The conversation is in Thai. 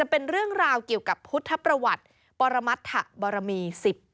เป็นเรื่องราวเกี่ยวกับพุทธประวัติปรมัฐบรมี๑๘